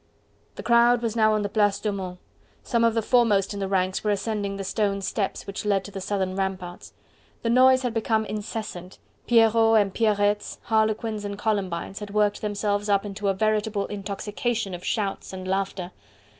The crowd was now on the Place Daumont; some of the foremost in the ranks were ascending the stone steps which lead to the southern ramparts. The noise had become incessant: Pierrots and Pierrettes, Harlequins and Columbines had worked themselves up into a veritable intoxication of shouts and laughter.